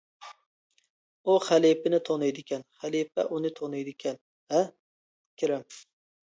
ئۇ خەلىپىنى تونۇيدىكەن، خەلىپە ئۇنى تونۇيدىكەن: ھە، كېرەم!